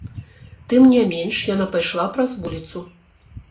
Тым не менш яна пайшла праз вуліцу.